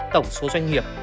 tổng số doanh nghiệp